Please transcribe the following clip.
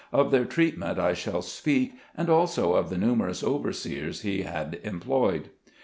Of their treatment I shall speak, and also of the numerous overseers he had employed.